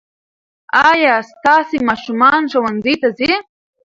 ايا ستاسې ماشومان ښوونځي ته ځي؟